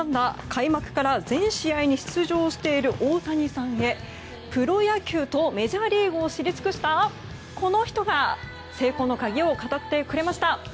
開幕から全試合に出場している大谷さんへプロ野球とメジャーリーグを知り尽くしたこの人が成功の鍵を語ってくれました。